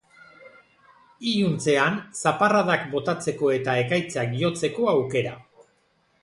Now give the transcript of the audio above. Iluntzean, zaparradak botatzeko eta ekaitzak jotzeko aukera.